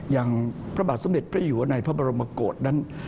อย่างพระบาทสมเด็จพระอยู่ในพระบรมกฏนั้น